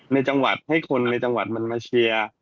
ในจังหวัดให้คนในจังหวัดมันมาเชียร์